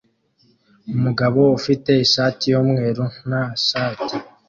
Umugabo ufite ishati yumweru nta shati